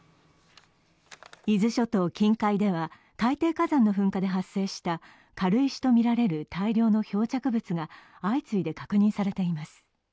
伊豆諸島近海では、海底火山の噴火で発生した軽石とみられる大量の漂着物が相次いで確認されています。